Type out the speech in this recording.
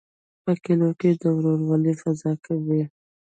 په کلیو کې د ورورولۍ فضا وي.